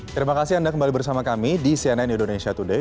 terima kasih anda kembali bersama kami di cnn indonesia today